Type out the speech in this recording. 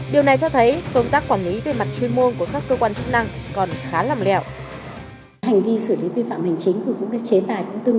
điều này cho thấy công tác quản lý về mặt chuyên môn của các cơ quan chức năng còn khá lòng lẻo